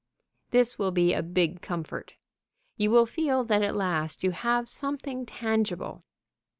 This will be a big comfort. You will feel that at last you have something tangible.